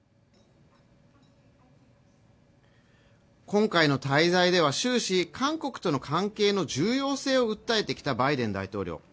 今回の滞在では終始、韓国との関係の重要性を訴えてきたバイデン大統領。